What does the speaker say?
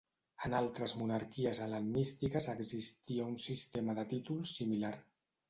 En altres monarquies hel·lenístiques existia un sistema de títols similar.